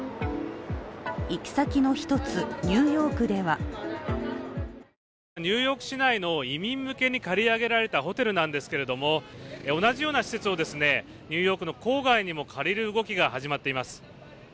行き先の一つ、ニューヨークではニューヨーク市内の移民向けに借り上げられたホテルなんですが同じような施設をニューヨークの郊外にも借りる動きが始まっています。